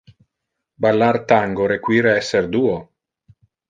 Ballar tango require esser duo.